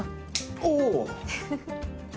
おお。